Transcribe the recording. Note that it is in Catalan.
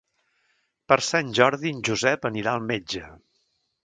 Per Sant Jordi en Josep anirà al metge.